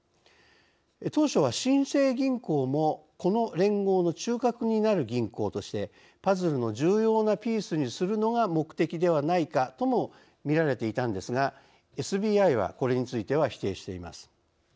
当初は新生銀行もこの連合の中核になる銀行としてパズルの重要なピースにするのが目的ではないかとも見られていたんですがＳＢＩはこれについては否定しています。